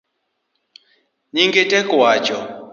Nyinge tek wacho